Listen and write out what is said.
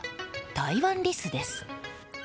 タイワンリスです。